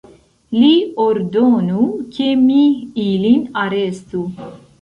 Li ordonu, ke mi ilin arestu!